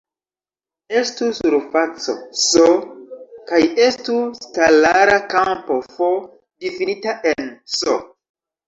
Estu surfaco "S" kaj estu skalara kampo "f" difinita en "S".